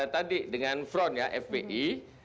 tadi dengan front ya fpi